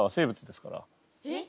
えっ？